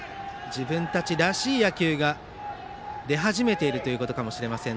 自分たちらしい野球が出始めているということかもしれません。